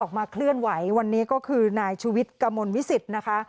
เคลื่อนไหววันนี้ก็คือนายชุวิตกมลวิสิตนะคะ